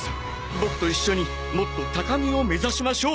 ボクと一緒にもっと高みを目指しましょう！